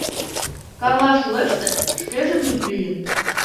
Карла шӱлеште, шкеже вӱд лийын.